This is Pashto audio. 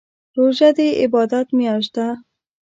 روژه دي عبادات میاشت ده